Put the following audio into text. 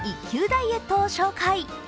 ダイエットを紹介。